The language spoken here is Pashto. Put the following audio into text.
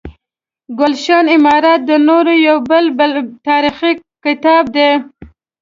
ګلشن امارت د نوري یو بل تاریخي کتاب دی.